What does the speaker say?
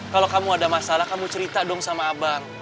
kalau kamu ada masalah kamu cerita dong sama abang